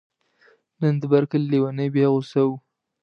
نن د بر کلي لیونی بیا غوصه و.